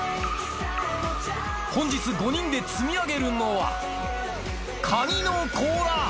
本日５人で積み上げるのは、カニの甲羅。